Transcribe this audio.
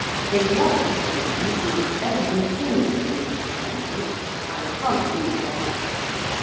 They like queens much better than kings in that country. I can't think why.